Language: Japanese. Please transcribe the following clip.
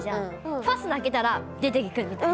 ファスナーあけたら出ていくみたいな。